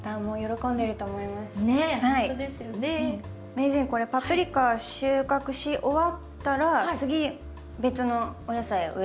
名人これパプリカ収穫し終わったら次別のお野菜植えていいんですか？